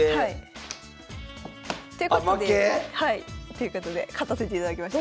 ということで勝たせていただきました。